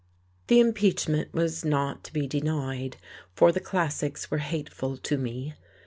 The impeachment was not to be denied, for the classics were hateful to me.